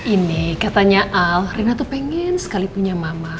ini katanya al rina tuh pengen sekali punya mama